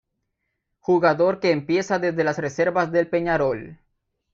Jugador que empieza desde las reservas del Peñarol.